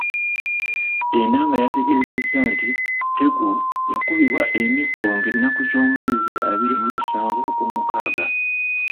Enanga yategeezezza nti Tegu yakubibwa emiggo ng'ennaku z'omwezi abiri mu musanvu ogw'omukaaga.